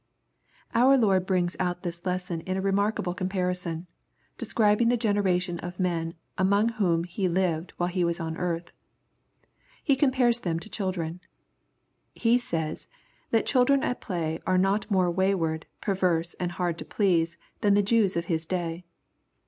Our Lord brings out this lesson in a remarkable com parison, describing the generation of men among whom He lived while He was on earth. He compares them to children. He says, that children at play were not more wayward, perverse, and hard to please, than the Jews of His day.